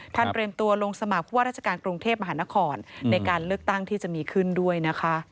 เตรียมตัวลงสมัครผู้ว่าราชการกรุงเทพมหานครในการเลือกตั้งที่จะมีขึ้นด้วยนะคะ